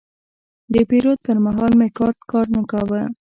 د پیرود پر مهال مې کارت کار نه کاوه.